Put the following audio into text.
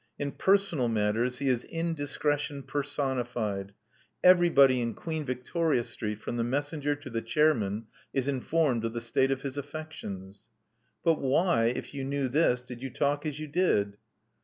In personal matters he is indiscretion personified. Everybody in Queen Victoria Street, from the messen ger to the Chairman, is informed of the state of his affections." '*But why, if you knew this, did you talk as you did?''